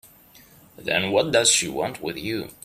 Then what does she want with you?